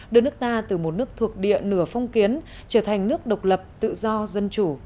đưa nước ta từ một nước thuộc địa nửa phong kiến trở thành nước độc lập tự do dân chủ